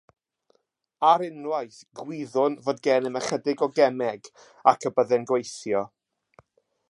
Ar unwaith, gwyddwn fod gennym ychydig o gemeg ac y byddai'n gweithio.